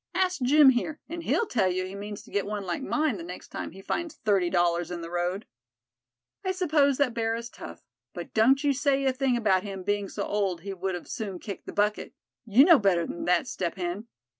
Ask Jim here, and he'll tell you he means to get one like mine the next time he finds thirty dollars in the road." "I suppose that bear is tough, but don't you say a thing about him being so old he would have soon kicked the bucket You know better than that, Step Hen.